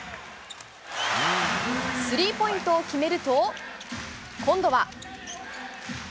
スリーポイントを決めると、今度は。